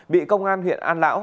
bị công an huyện an lão